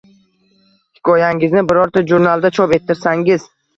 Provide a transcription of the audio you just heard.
Hikoyangizni birorta jurnalda chop ettirsangiz